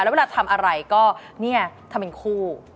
แล้วเวลาทำอะไรก็เนี่ยทำเป็นคู่